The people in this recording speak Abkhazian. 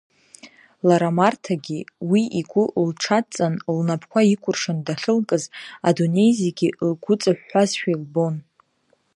Лара Марҭагьы уи игәы лҽадҵан, лнапқәа икәыршан дахьылкыз, адунеи зегьы лгәыҵыҳәҳәазшәа лбон.